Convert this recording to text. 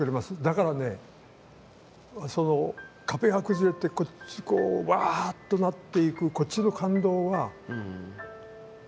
だからねその壁が崩れてこっちこうわっとなっていくこっちの感動は誰でも感じますよ。